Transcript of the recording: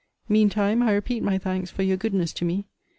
Mean time, I repeat my thanks for your goodness to me.